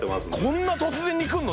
こんな突然にくるの？